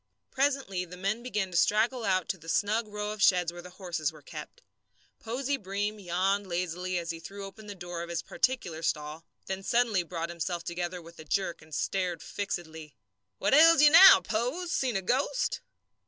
Presently the men began to straggle out to the snug row of sheds where the horses were kept. Posey Breem yawned lazily as he threw open the door of his particular stall, then suddenly brought himself together with a jerk and stared fixedly. "What ails you now, Pose? Seen a ghost?"